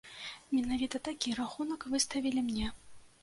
Менавіта такі рахунак выставілі мне.